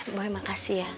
eh boy makasih ya